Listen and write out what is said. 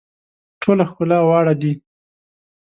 ټوله ښکلا واړه دي.